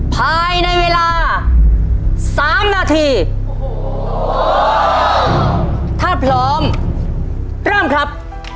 ภายในเวลาสามนาทีโอ้โหถ้าพร้อมเริ่มครับ